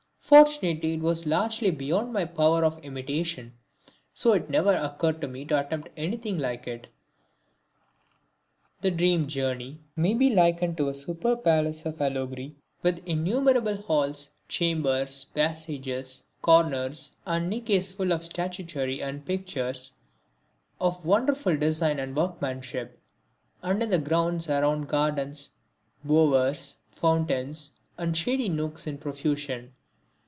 Fortunately it was entirely beyond my power of imitation, so it never occurred to me to attempt anything like it. "The Dream Journey" may be likened to a superb palace of Allegory, with innumerable halls, chambers, passages, corners and niches full of statuary and pictures, of wonderful design and workmanship; and in the grounds around gardens, bowers, fountains and shady nooks in profusion.